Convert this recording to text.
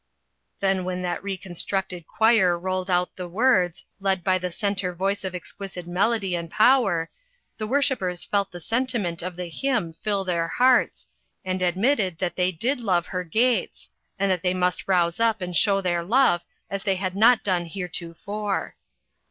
Then when that reconstructed choir rolled out the words, led by the centre voice of exquisite melody and power, the worship ers felt the sentiment of the hymn fill their hearts, and admitted that they did love her gates, and that they must rouse up and show their love as they had not done here tofore.